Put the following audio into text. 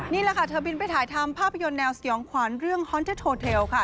นี่แหละค่ะเธอบินไปถ่ายทำภาพยนตร์แนวสยองขวัญเรื่องฮอนเจอร์โทเทลค่ะ